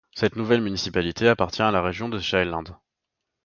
Cette nouvelle municipalité appartient à la région de Sjælland.